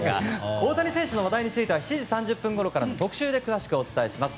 大谷選手の話題は７時３０分ごろから特集で詳しくお伝えします。